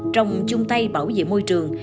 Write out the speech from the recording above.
trong chung tay bảo vệ môi trường